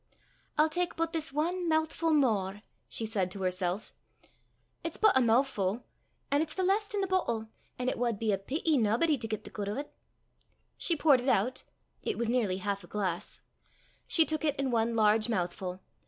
"I'll tak but this ae moo'fu' mair," she said to herself; "it's but a moo'fu', an' it's the last i' the boatle, an' it wad be a peety naebody to get the guid o' 't." She poured it out. It was nearly half a glass. She took it in one large mouthful.